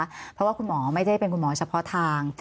เพราะว่าคุณหมอไม่ได้เป็นคุณหมอเฉพาะทาง